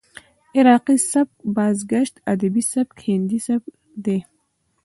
عراقي سبک، بازګشت ادبي سبک، هندي سبک دى.